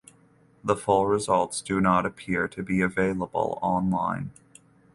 The full results do not appear to be available online.